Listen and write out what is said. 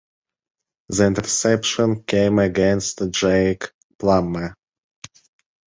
The interception came against Jake Plummer.